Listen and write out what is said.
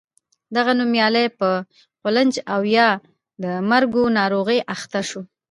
دغه نومیالی په قولنج او بیا د مرګو ناروغۍ اخته شو.